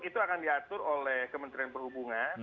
itu akan diatur oleh kementerian perhubungan